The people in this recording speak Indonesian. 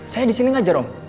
saya disini ngajar om